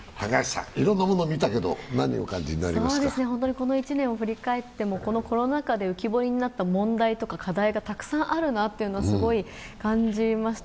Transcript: この１年を振り返ってもこのコロナ禍で浮き彫りになった問題とか課題がたくさんあるなというのは、すごい感じました。